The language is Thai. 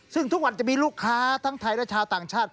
ซึ่งทุกวันจะมีลูกค้าทั้งไทยและชาวต่างชาติ